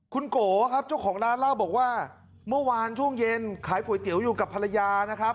คุณโกครับเจ้าของร้านเล่าบอกว่าเมื่อวานช่วงเย็นขายก๋วยเตี๋ยวอยู่กับภรรยานะครับ